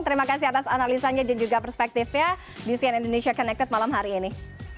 terima kasih atas analisanya dan juga perspektifnya di sian indonesia connected malam hari ini